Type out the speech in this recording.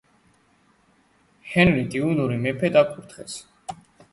ჰენრი ტიუდორი მეფედ აკურთხეს.